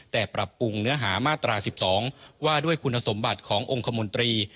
แต่ปรับปรุงเนื้อหามาตรา๑๒ว่าด้วยคุณสมบัติขององค์คมนตรี